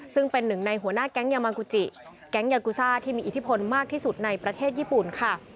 ซึ่งเป็นหนึ่งในหัวหน้าแก๊งยามากูจิแก๊งยากูซ่าที่มีอิทธิพลมากที่สุดในประเทศญี่ปุ่นค่ะ